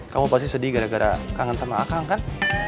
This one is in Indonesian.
kamu pasti sedih gara gara kangen sama akang kan